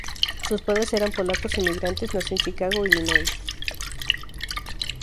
Sus padres eran polacos emigrantes, nació en Chicago, Illinois.